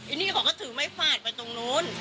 อันนี้เขาก็ถือไม้ฟาดไปตรงนู้น